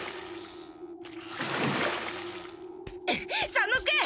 三之助！